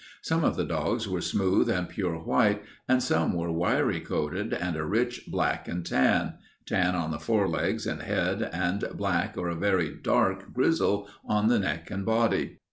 Some of the dogs were smooth and pure white and some were wiry coated and a rich black and tan tan on the legs and head and black or a very dark grizzle on the neck and body.